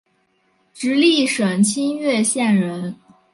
直隶省清苑县人。